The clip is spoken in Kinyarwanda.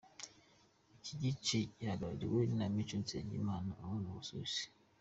Iki gice gihagarariwe na Nkiko Nsengimana uba mu Busuwisi.